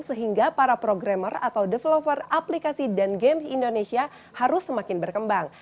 sehingga para programmer atau developer aplikasi dan games indonesia harus semakin berkembang